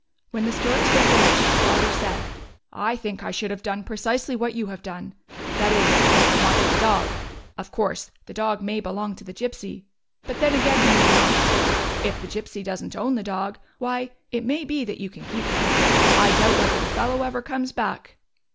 When the stories were finished, the father said : "I think I should have done precisely what you have done — that is, if I wanted the dog. Of course, the dog may belong to the Gypsy, but then, again, he may not. If the Gypsy does n't own the dog, why, it may be that you can keep him. I doubt whether the fellow ever comes back."